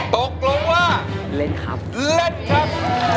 ตกลงว่าเล่นครับ